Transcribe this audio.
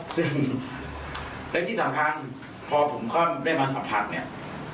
ซึ่งในที่สัมพันธ์พอผมได้มาสัมพันธ์เนี่ย